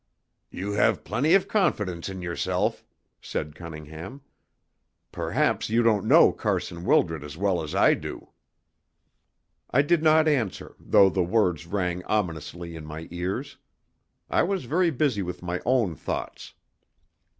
"You have plenty of confidence in yourself," said Cunningham. "Perhaps you don't know Carson Wildred as well as I do." I did not answer, though the words rang ominously in my ears. I was very busy with my own thoughts.